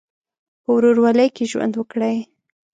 په ورورولۍ کې ژوند وکړئ.